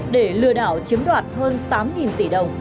để lừa đảo chiếm đoạt hơn tám tỷ đồng